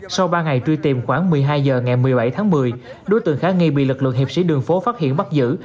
sau ba ngày truy tìm khoảng một mươi hai h ngày một mươi bảy tháng một mươi đối tượng khả nghi bị lực lượng hiệp sĩ đường phố phát hiện bắt giữ